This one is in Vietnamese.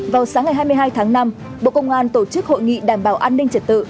vào sáng ngày hai mươi hai tháng năm bộ công an tổ chức hội nghị đảm bảo an ninh trật tự